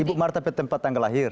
ibu marta tempat dan tanggal lahir